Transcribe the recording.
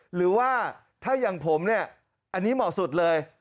หรือว่าถ้าอย่างผมเนี่ยอันนี้เหมาะสุดเลย